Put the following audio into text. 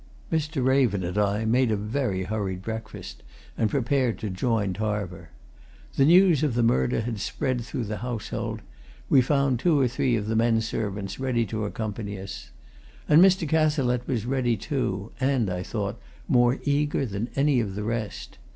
Mr. Raven and I made a very hurried breakfast and prepared to join Tarver. The news of the murder had spread through the household; we found two or three of the men servants ready to accompany us. And Mr. Cazalette was ready, too, and, I thought, more eager than any of the rest.